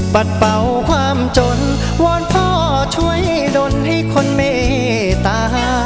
ปัดเป่าความจนวอนพ่อช่วยดนให้คนเมตตา